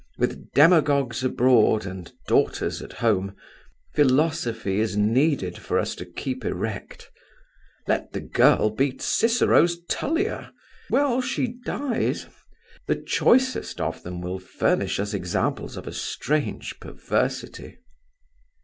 With demagogues abroad and daughters at home, philosophy is needed for us to keep erect. Let the girl be Cicero's Tullia: well, she dies! The choicest of them will furnish us examples of a strange perversity.